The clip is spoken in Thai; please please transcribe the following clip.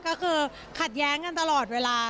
ก็คือขัดแย้งกันตลอดเวลา